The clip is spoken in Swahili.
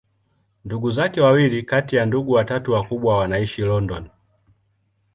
Ndugu zake wawili kati ya ndugu watatu wakubwa wanaishi London.